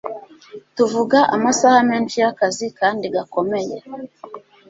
tuvuga amasaha menshi y'akazi kandi gakomeye